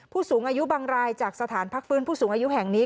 ผู้สูงอายุบางรายจากสถานพักฟื้นผู้สูงอายุแห่งนี้